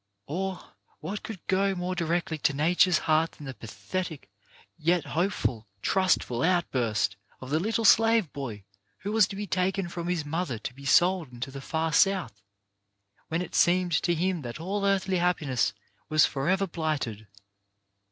Or what could go more directly to Nature's heart than the pathetic yet hopeful, trustful out burst of the little slave boy who was to be taken from his mother to be sold into the far South. 256 CHARACTER BUILDING when it sesmed to him that all earthly happiness was forever blighted.